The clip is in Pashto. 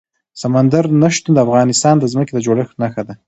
سمندر نه شتون د افغانستان د ځمکې د جوړښت نښه ده.